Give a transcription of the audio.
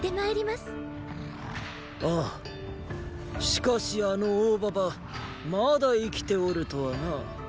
しかしあの大ばばまだ生きておるとはな。